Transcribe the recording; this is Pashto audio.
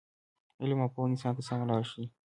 علم او پوهه انسان ته سمه لاره ښیي.